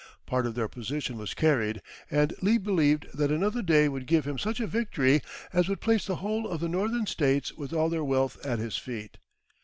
Part of their position was carried, and Lee believed that another day would give him such a victory as would place the whole of the Northern States with all their wealth at his feet.